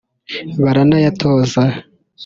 baranayatoza